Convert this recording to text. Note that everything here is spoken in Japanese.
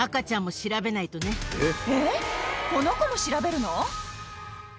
えっ、この子も調べるの？